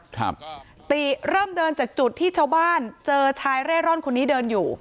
ครับติเริ่มเดินจากจุดที่ชาวบ้านเจอชายเร่ร่อนคนนี้เดินอยู่